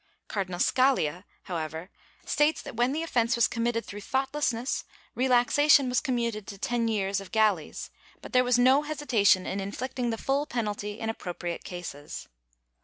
^ Cardinal Scaglia, however, states that when the offence was committed through thoughtlessness, relaxation was commuted to ten years of galleys," but there was no hesitation in inflicting the full penalty in appro priate cases.